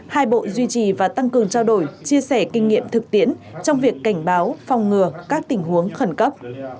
hai bộ duy trì và tăng cường trao đổi chia sẻ kinh nghiệm thực tiễn trong việc cảnh báo phòng ngừa các tình huống khẩn cấp